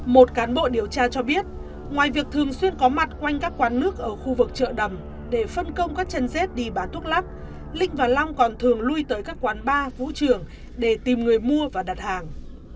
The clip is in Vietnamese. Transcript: một cán bộ điều tra cho biết ngoài việc thường xuyên có mặt quanh các quán nước ở khu vực chợ đầm để phân công các chân dết đi bán thuốc lắc linh và long còn thường lui tới các quán bar vũ trường để tìm người mua và đặt hàng